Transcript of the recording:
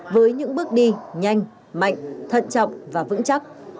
với những bước đi nhanh mạnh thận trọng và vững chắc